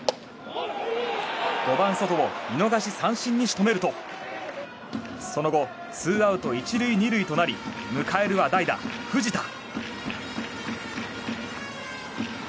５番、ソトを見逃し三振に仕留めるとその後ツーアウト１塁２塁となり迎えるは代打、藤田。